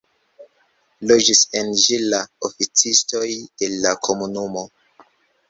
Loĝis en ĝi la oficistoj de la komunumo.